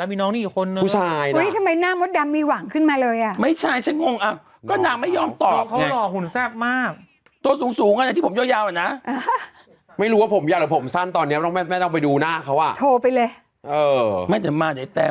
อื้อน้องเค้าไม่ได้แฟนเหรอน้องเค้าก็ช่วยข่ายลิฟต์เขานั่นแหละ